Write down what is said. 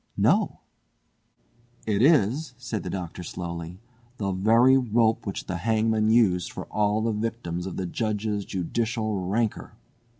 "No!" "It is," said the Doctor slowly, "the very rope which the hangman used for all the victims of the Judge's judicial rancour!"